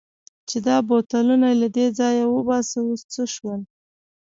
چې دا بوتلونه له دې ځایه وباسه، اوس څه شول؟